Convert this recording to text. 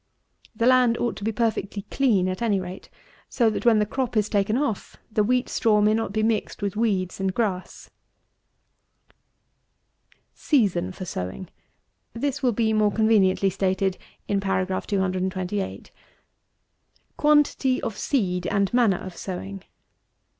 The land ought to be perfectly clean, at any rate; so that, when the crop is taken off, the wheat straw may not be mixed with weeds and grass. 226. SEASON FOR SOWING. This will be more conveniently stated in paragraph 228. 227. QUANTITY OF SEED AND MANNER OF SOWING.